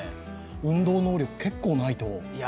運動能力、結構ないと。